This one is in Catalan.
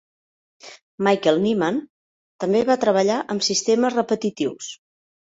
Michael Nyman també va treballar amb sistemes repetitius.